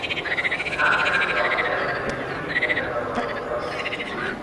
Yn anffurfiol, gelwir unrhyw linell ymylol yn groeslin.